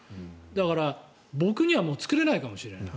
だから僕には作れないかもしれない。